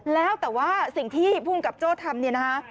แล้วแต่ว่าพี่ผู้กำกับโจ้ทำ